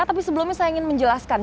tapi sebelumnya saya ingin menjelaskan